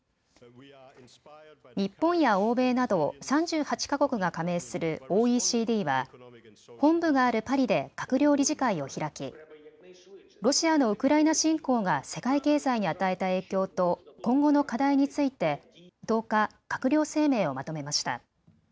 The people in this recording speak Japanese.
日本や欧米など３８か国が加盟するＯＥＣＤは本部があるパリで閣僚理事会を開き、ロシアのウクライナ侵攻が世界経済に与えた影響と今後の課題について１０日、閣僚声明をまとめました。